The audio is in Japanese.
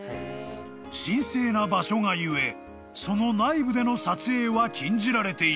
［神聖な場所が故その内部での撮影は禁じられている］